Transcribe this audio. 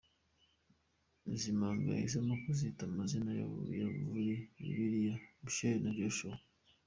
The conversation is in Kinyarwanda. Izi mpanga yahisemo kuzita amazina yo muri Bibiliya Michael na Joshua.